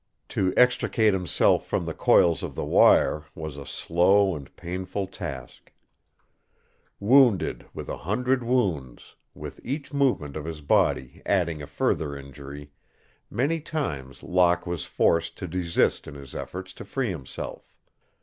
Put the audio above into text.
To extricate himself from the coils of the wire was a slow and painful task. Wounded with a hundred wounds, with each movement of his body adding a further injury, many times Locke was forced to desist in his efforts to free himself.